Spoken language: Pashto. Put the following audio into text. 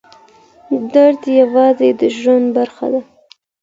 درد یوازې د ژوند برخه ده.